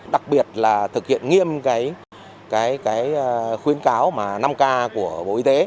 đặc biệt là thực hiện nghiêm cái khuyến cáo mà năm k của bộ y tế